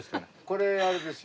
これあれですよ。